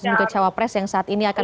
yaitu untuk penerangan